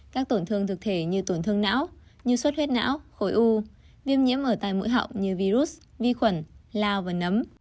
các tổn thương thực thể như tổn thương não như suất huyết não khối u viêm nhiễm ở tài mũi hậu như virus vi khuẩn lao và nấm